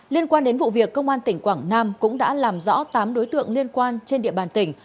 liên quan đến vụ việc công an tỉnh quảng nam cũng đã làm rõ tám đối tượng liên quan trên địa bàn tỉnh